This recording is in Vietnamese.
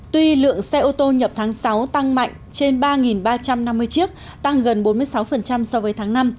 tuy lượng xe ô tô nhập tháng sáu tăng mạnh trên ba ba trăm năm mươi chiếc tăng gần bốn mươi sáu so với tháng năm